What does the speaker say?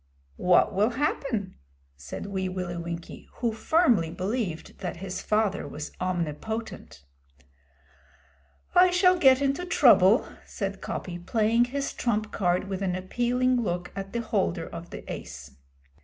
'What will happen?' said Wee Willie Winkie, who firmly believed that his father was omnipotent. 'I shall get into trouble,' said Coppy, playing his trump card with an appealing look at the holder of the ace.